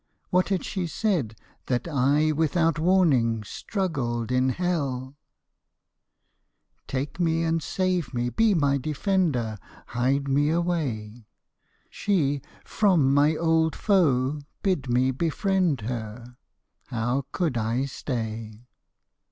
What had she said, that I without warning Struggled in Hell ?' Take me and save me, be my defender. Hide me away.' She from my old foe bid me befriend her. How could I stay?